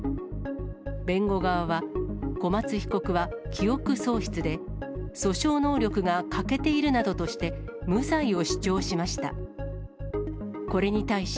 弁護側は、小松被告は記憶喪失で、訴訟能力が欠けているなどとして、無罪を主張しました。